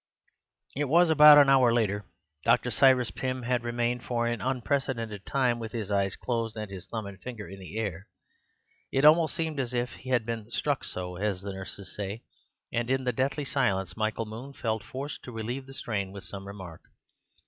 It was about an hour later. Dr. Cyrus Pym had remained for an unprecedented time with his eyes closed and his thumb and finger in the air. It almost seemed as if he had been "struck so," as the nurses say; and in the deathly silence Michael Moon felt forced to relieve the strain with some remark.